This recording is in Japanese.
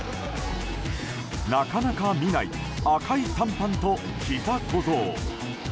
なかなか見ない赤い短パンとひざ小僧。